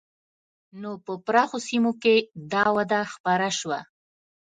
نو په پراخو سیمو کې دا وده خپره شوه.